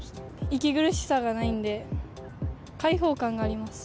息苦しさがないんで、解放感があります。